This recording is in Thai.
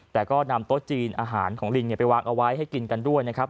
แต่ก็นำโต๊ะจีนอาหารของลิงไปวางเอาไว้ให้กินกันด้วยนะครับ